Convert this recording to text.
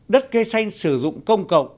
đất cây xanh sử dụng công cộng